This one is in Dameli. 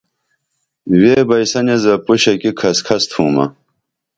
ویبئیسن ایس بہ پُشہ کی کھس کھس تُھومہ